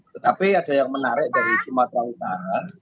tetapi ada yang menarik dari sumatera utara